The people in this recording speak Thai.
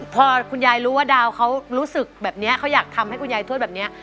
พอคุณยายรู้ว่าดาวเขารู้สึกแบบนี้เขาอยากทำให้คุณยายทวดแบบนี้